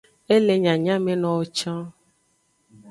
E le nyanyamenowo can.